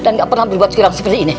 dan gak pernah berbuat kiram seperti ini